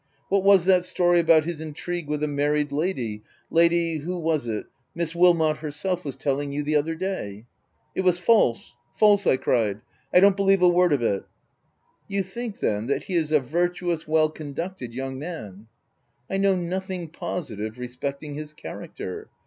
What was that story about his intrigue with a married lady — Lady who was it — Miss Wilmot herself was telling you the other day ?"" It was false— false P I cried. t€ I don't be lieve a word of it." Ci You think, then, that he a virtuous, well conducted young man ?"" I know nothing positive respecting his cha racter.